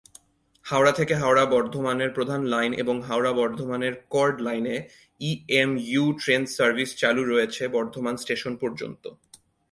হাওড়া থেকে হাওড়া-বর্ধমানের প্রধান লাইন এবং হাওড়া-বর্ধমানের কর্ড লাইনে ইএমইউ ট্রেন সার্ভিস চালু রয়েছে বর্ধমান স্টেশন পর্যন্ত।